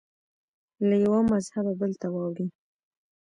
له یوه مذهبه بل ته واوړي